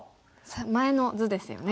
前の図ですよね。